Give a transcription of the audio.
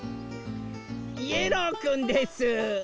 イエローくんです！